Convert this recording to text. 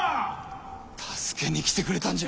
助けに来てくれたんじゃ！